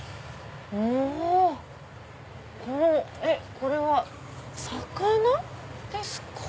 これは魚ですか？